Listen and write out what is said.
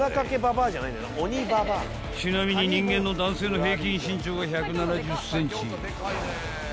［ちなみに人間の男性の平均身長は１７０ｃｍ］